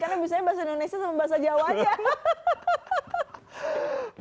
karena biasanya bahasa indonesia sama bahasa jawa aja